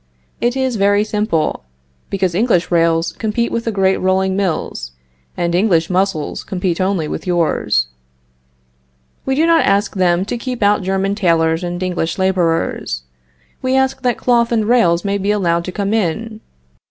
It is very simple; because English rails compete with the great rolling mills, and English muscles compete only with yours. We do not ask them to keep out German tailors and English laborers. We ask that cloth and rails may be allowed to come in.